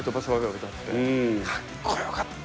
かっこよかった。